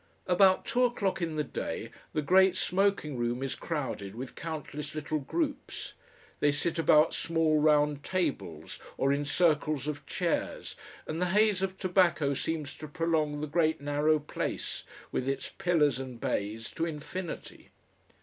About two o'clock in the day the great smoking room is crowded with countless little groups. They sit about small round tables, or in circles of chairs, and the haze of tobacco seems to prolong the great narrow place, with its pillars and bays, to infinity.